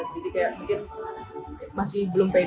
jadi kayak mungkin masih belum pede